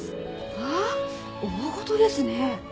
はあ大ごとですね！